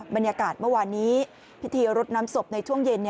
บรรยากาศเมื่อวานนี้พิธีรดน้ำศพในช่วงเย็น